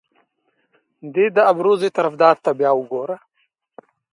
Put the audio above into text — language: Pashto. دې د ابروزي طرفدار ته بیا وګوره.